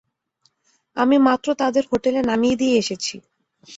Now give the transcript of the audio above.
আমি মাত্র তাদের হোটেলে নামিয়ে দিয়ে এসেছি।